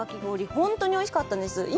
本当においしかったんです。